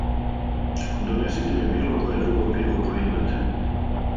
Донесите ми било које друго пиво које имате!